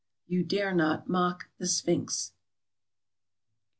You dare not mock the Sphinx.